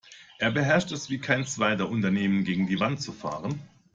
Er beherrscht es wie kein Zweiter, Unternehmen gegen die Wand zu fahren.